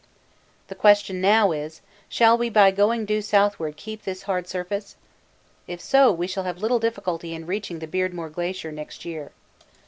The question now is: Shall we by going due southward keep this hard surface? If so, we should have little difficulty in reaching the Beardmore Glacier next year.